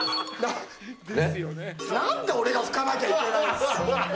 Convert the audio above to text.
何で俺が拭かなきゃいけないんすか！